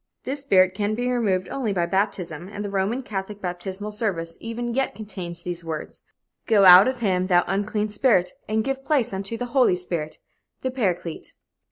This spirit can be removed only by baptism, and the Roman Catholic baptismal service even yet contains these words: "Go out of him, thou unclean spirit, and give place unto the Holy Spirit, the Paraclete."